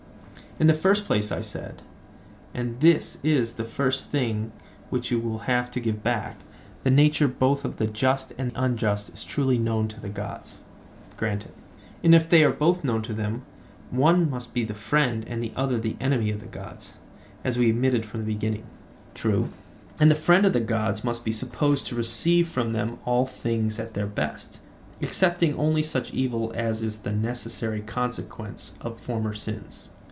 In the first place, I said—and this is the first thing which you will have to give back—the nature both of the just and unjust is truly known to the gods. Granted. And if they are both known to them, one must be the friend and the other the enemy of the gods, as we admitted from the beginning? True. And the friend of the gods may be supposed to receive from them all things at their best, excepting only such evil as is the necessary consequence of former sins?